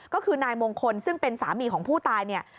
ก็คือนายมงคลซึ่งเป็นสามีของผู้ตายเนี่ย